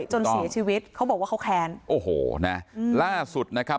จนเสียชีวิตเขาบอกว่าเขาแค้นโอ้โหนะล่าสุดนะครับ